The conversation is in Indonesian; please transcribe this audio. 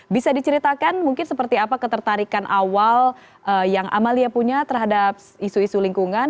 bisa diceritakan mungkin seperti apa ketertarikan awal yang amalia punya terhadap isu isu lingkungan